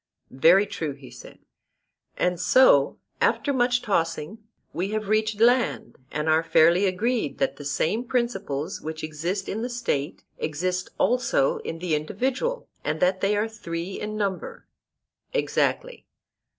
Very true, he said. And so, after much tossing, we have reached land, and are fairly agreed that the same principles which exist in the State exist also in the individual, and that they are three in number. Exactly.